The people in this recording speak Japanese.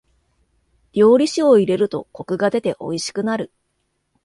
料理酒を入れるとコクが出ておいしくなる。